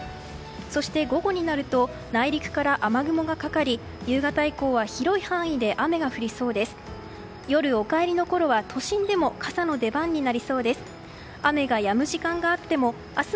そして午後になると内陸から雨雲がかかり夕方以降は広い範囲で雨が降りそうです。